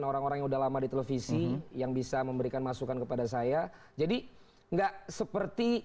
orang orang yang udah lama di televisi yang bisa memberikan masukan kepada saya jadi enggak seperti